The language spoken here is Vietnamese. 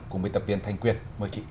cùng với tập viên thanh quyên mời chị